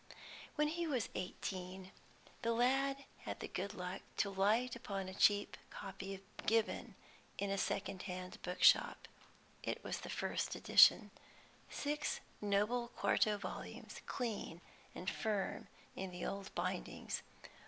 When he was eighteen, the lad had the good luck to light upon a cheap copy of Gibbon in a second hand book shop. It was the first edition; six noble quarto volumes, clean and firm in the old bindings.